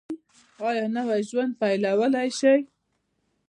ایا نوی ژوند پیلولی شئ؟